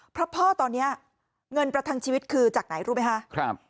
เพราะพ่อตอนนี้เงินประทังชีวิตคือจากไหนรู้ไหมคะ